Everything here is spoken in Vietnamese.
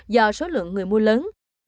do số lượng người mua lớn